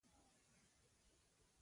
الله د ظلم نه خوشحالېږي نه.